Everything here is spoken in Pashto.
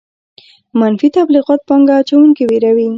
منفي تبلیغات پانګه اچوونکي ویروي.